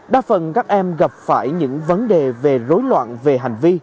đa phần các em gặp phải những vấn đề về rối loạn về hành vi